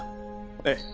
ええ。